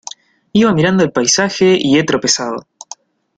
Iba mirando el paisaje y he tropezado.